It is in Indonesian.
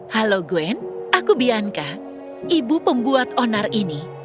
halo gwen aku bianka ibu pembuat onar ini